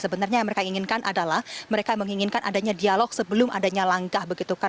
sebenarnya yang mereka inginkan adalah mereka menginginkan adanya dialog sebelum adanya langkah begitu